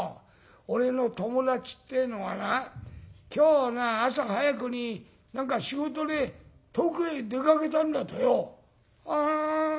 俺の友達ってえのがな今日の朝早くに何か仕事で遠くへ出かけたんだとよ」。